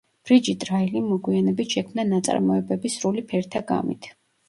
ბრიჯიტ რაილიმ მოგვიანებით შექმნა ნაწარმოებები სრული ფერთა გამით.